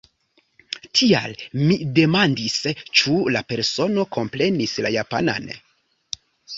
Tial mi demandis, ĉu la persono komprenis la japanan.